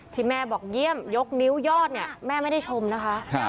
ที่แม่บอกเยี่ยมยกนิ้วยอดเนี่ยแม่ไม่ได้ชมนะคะ